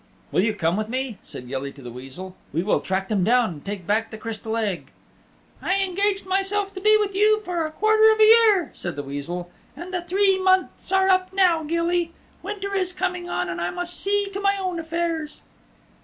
"Will you come with me?" said Gilly to the Weasel, "we will track them down and take back the Crystal Egg." "I engaged myself to be with you for a quarter of a year," said the Weasel, "and the three months are up now, Gilly. Winter is coming on and I must see to my own affairs."